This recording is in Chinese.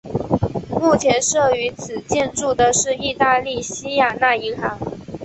目前设于此建筑的是意大利西雅那银行。